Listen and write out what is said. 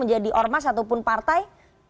menjadi ormas ataupun partai